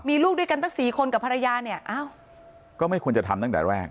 มีลูกด้วยกันตั้งสี่คนกับภรรยาเนี่ยอ้าวก็ไม่ควรจะทำตั้งแต่แรก